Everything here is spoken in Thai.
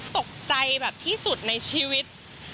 ตกใจแบบที่สุดในชีวิต